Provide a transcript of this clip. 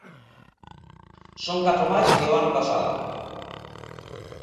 Son catro máis que o ano pasado.